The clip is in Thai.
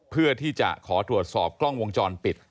เพื่อที่จะขอตรวจสอบกล้องวงจรปิด